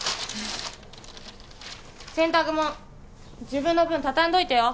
洗濯物自分の分畳んどいてよ